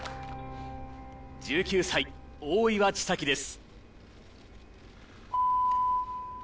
１９歳、大岩千未来です。